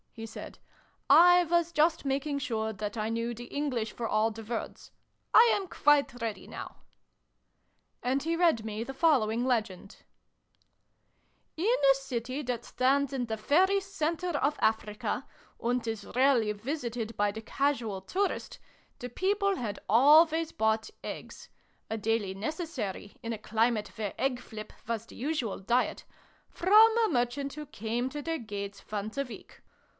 he said. " I was just making sure that I knew the English for all the words. I am quite ready now." And he read me the fol lowing Legend :" In a city that stands in the very centre of Africa, and is rarely visited by the casual tourist, the people had always bought eggs a daily necessary in a climate where egg flip was the usual diet from a Merchant who came to their gates once a week.